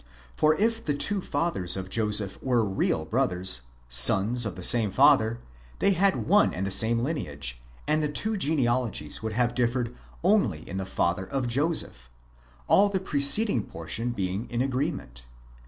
For if the two fathers of Joseph were real brothers, sons of the same father, they had one and the same lineage, and the two genealogies would have differed only in the father of Joseph, all the preceding portion being in agreement.